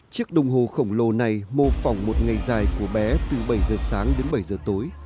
chiếc đồng hồ khổng lồ này mô phỏng một ngày dài của bé từ bảy giờ sáng đến bảy giờ tối